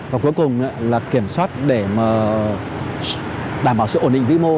và cuối cùng là kiểm soát để đảm bảo sự ổn định vĩ mô